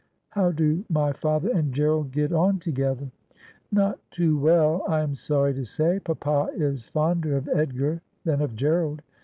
' How do my father and Gerald get on together ?'' Not too well, I am sorry to say. Papa is fonder of Edgar than of G erald.